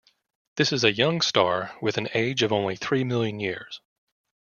This is a young star with an age of only three million years.